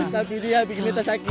tapi dia bikin meta sakit